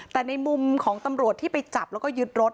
แต่ในมุมของตำรวจที่ไปจับแล้วก็ยึดรถ